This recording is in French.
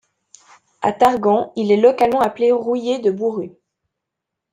À Targon, il est localement appelé Rouillé de Bourrut.